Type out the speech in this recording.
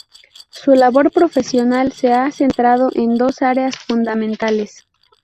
Su labor profesional se ha centrado en dos áreas fundamentales.